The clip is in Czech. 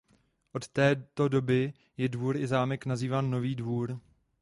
Od této doby je dvůr i zámek nazýván Nový Dvůr.